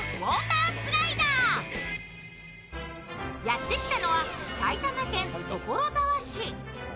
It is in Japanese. やってきたのは、埼玉県所沢市。